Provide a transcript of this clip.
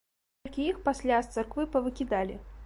Толькі іх пасля з царквы павыкідалі.